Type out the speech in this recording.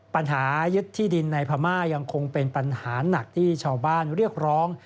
ปัญหายึดที่ดินในพม่ายังคงเป็นปัญหาหนักที่ชาวบ้านเรียกร้อง